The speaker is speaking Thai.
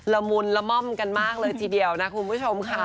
ละมุนละม่อมกันมากเลยทีเดียวนะคุณผู้ชมค่ะ